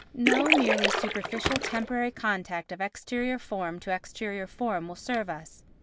No merely superficial temporary contact of exterior form to exterior form will serve us.